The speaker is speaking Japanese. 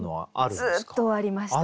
ずっとありました。